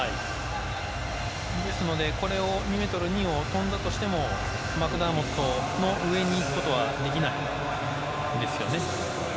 ですので２ｍ２ｃｍを跳んだとしてもマクダーモットの上にいくことはできないですよね。